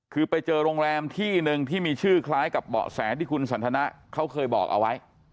คือไปเจอโรงแรมที่หนึ่งที่มีชื่อคล้ายกับเบาะแสที่คุณสันทนะเขาเคยบอกเอาไว้